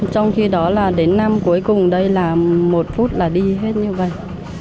trong khi đó là đến năm cuối cùng đây là một phút là đi hết như vậy